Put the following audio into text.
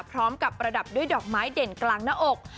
พร้อมกับประดับด้วยดอกไม้เด่นกลางหน้าอก